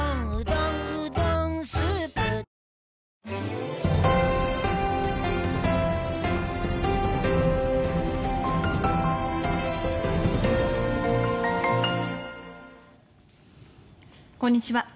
こんにちは。